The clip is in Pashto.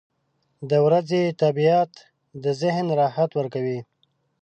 • د ورځې طبیعت د ذهن راحت ورکوي.